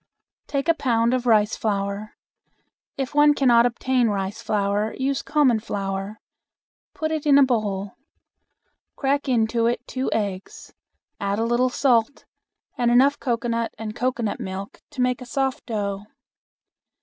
Take a pound of rice flour. If one cannot obtain rice flour use common flour. Put it in a bowl. Crack into it two eggs, add a little salt, and enough cocoanut and cocoanut milk to make a soft dough.